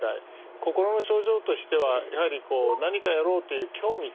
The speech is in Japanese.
心の症状としてはやはりこう何かやろうという興味とかですね